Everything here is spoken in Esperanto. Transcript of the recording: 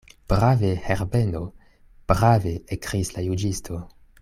Brave, Herbeno, brave, ekkriis la juĝisto.